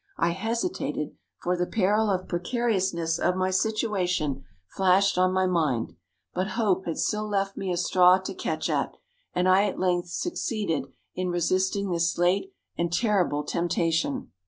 I hesitated for the peril of precariousness of my situation flashed on my mind; but hope had still left me a straw to catch at, and I at length succeeded in resisting this late and terrible temptation.